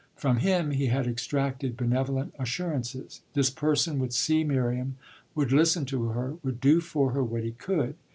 From him he had extracted benevolent assurances: this person would see Miriam, would listen to her, would do for her what he could.